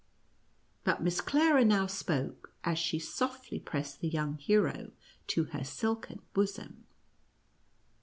But Miss Clara now spoke, as she softly pressed the young hero to her silken bosom.